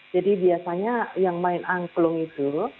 jadi biasanya yang main angklung itu